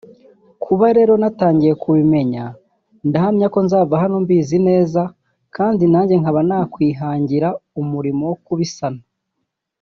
kuba rero natangiye kubimenya ndahamya ko nzava hano mbizi neza kandi nanjye nkaba nakwihangira umurimo wo kubisana